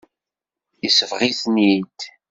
Yesbeɣ-iten-id.